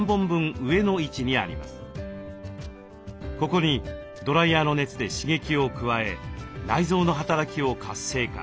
ここにドライヤーの熱で刺激を加え内臓の働きを活性化。